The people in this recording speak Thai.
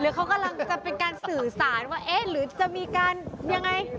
เขากำลังจะเป็นการสื่อสารว่าเอ๊ะหรือจะมีการยังไง